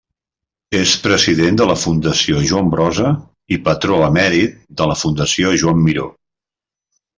És president de la Fundació Joan Brossa i patró emèrit de la Fundació Joan Miró.